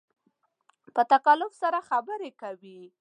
په تکلف سره خبرې کوې